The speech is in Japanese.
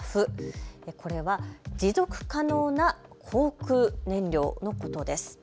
これは持続可能な航空燃料のことです。